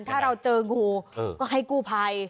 ถ้าเราเจองูก็ให้กู้ภัย